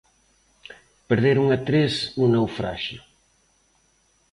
Perderon a tres no naufraxio.